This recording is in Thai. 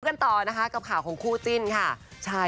กันต่อนะคะกับข่าวของคู่จิ้นค่ะใช่